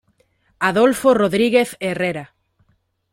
Adolfo Rodríguez Herrera.